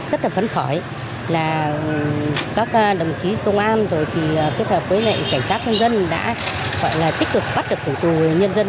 rất là phấn khởi là các đồng chí công an rồi thì kết hợp với cảnh sát nhân dân đã gọi là tích cực bắt được thủ tù nhân dân